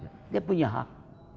sebenarnya dia punya hak